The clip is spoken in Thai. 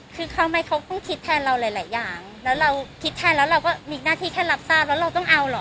คือเขาไหมเขาคงคิดแทนเราหลายอย่างแล้วเราคิดแทนแล้วเราก็มีหน้าที่แค่รับทราบแล้วเราต้องเอาเหรอ